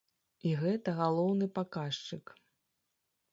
І гэта галоўны паказчык.